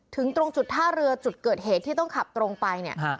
ตรงจุดท่าเรือจุดเกิดเหตุที่ต้องขับตรงไปเนี่ย